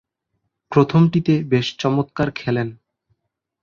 প্রথমটিতে বেশ চমৎকার খেলেন।